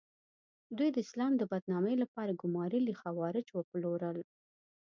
دوی د اسلام د بدنامۍ لپاره ګومارلي خوارج وپلورل.